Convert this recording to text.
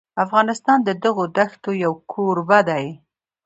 افغانستان د دغو دښتو یو کوربه دی.